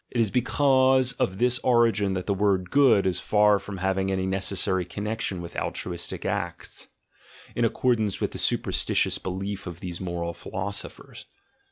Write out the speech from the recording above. It is because of this origin that the word "good" is far from having any necessary connection with altruistic acts, in accordance with the superstitious belief of these moral philosophers.